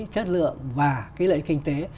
chất lượng và cái lợi ích kinh tế